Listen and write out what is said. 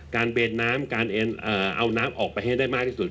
เบนน้ำการเอาน้ำออกไปให้ได้มากที่สุด